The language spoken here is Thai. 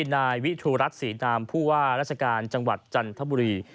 นายวิทูรัฐศรีนามผู้ว่าราชการจังหวัดจันทบุรี